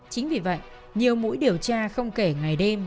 chính vì vậy nhiều mũi điều tra không kể ngày đêm